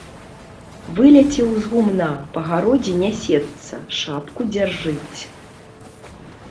Вылецеў з гумна, па гародзе нясецца, шапку дзяржыць.